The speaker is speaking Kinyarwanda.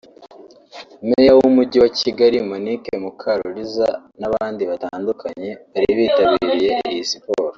Meya w’Umujyi wa Kigali Monique Mukaruliza n’abandi batandukanye bari bitabiriye iyi siporo